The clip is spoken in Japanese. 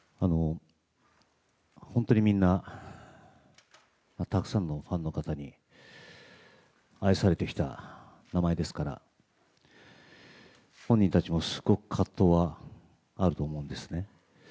本当にみんなたくさんのファンの方に愛されてきた名前ですから本人たちもすごく葛藤はあると思うんですね。